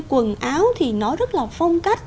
quần áo thì nó rất là phong cách